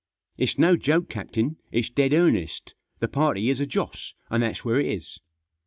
"It's no joke, captain; it's dead earnest The party is a Joss, and that's where it is."